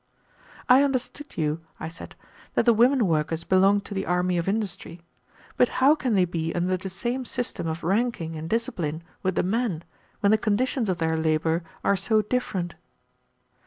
"I understood you," I said, "that the women workers belong to the army of industry, but how can they be under the same system of ranking and discipline with the men, when the conditions of their labor are so different?"